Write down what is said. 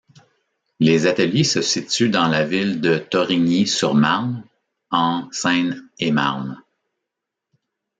Les ateliers se situent dans la ville de Thorigny-sur-Marne, en Seine-et-Marne.